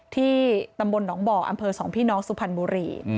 ที่ตำบลหนองบ่ออำเภอสองพี่น้องสุพรรณบุรี